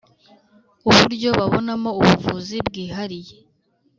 uburyo babonamo ubuvuzi bwihariye